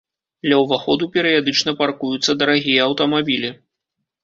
Ля ўваходу перыядычна паркуюцца дарагія аўтамабілі.